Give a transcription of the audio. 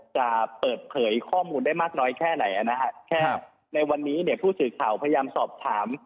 จะเปิดเผยข้อมูลได้มากน้อยแค่ไหนนะฮะแค่ในวันนี้เนี่ยผู้สื่อข่าวพยายามสอบถาม